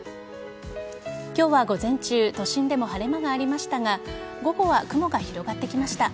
今日は午前中都心でも晴れ間がありましたが午後は雲が広がってきました。